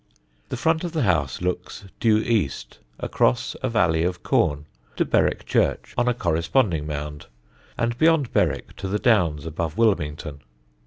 The front of the house looks due east, across a valley of corn, to Berwick church, on a corresponding mound, and beyond Berwick to the Downs above Wilmington.